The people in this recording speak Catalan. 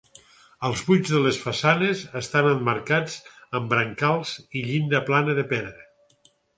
Els buits de les façanes estan emmarcats amb brancals i llinda plana de pedra.